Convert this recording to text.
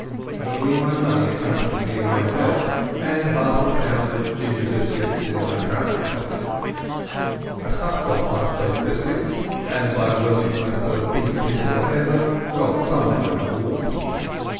Only my money accompanied me in my belt, and about half a pound of ginger biscuits in my trousers pocket. I supped off half those biscuits, and by worming myself deep into the heather got some kind of warmth.